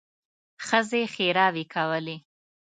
ښځې ښېراوې کولې.